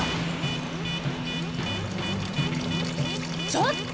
ちょっと！